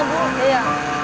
tidak mudah bikinnya